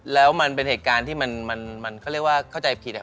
แล้วมันเป็นเหตุการณ์ที่มันเขาเรียกว่าเข้าใจผิด